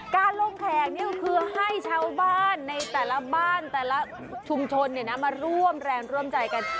การลงแขกนี่ก็คือให้ชาวบ้านในแต่ละบ้านแต่ละชุมชนมาร่วมแรงร่วมใจกัน